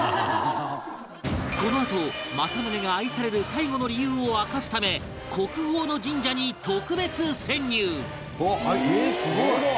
このあと政宗が愛される最後の理由を明かすため国宝の神社に特別潜入！